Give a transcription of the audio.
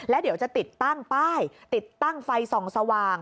แล้วเดี๋ยวจะติดตั้งป้ายติดตั้งไฟส่องสว่าง